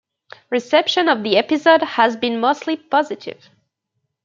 Reception of the episode has been mostly positive.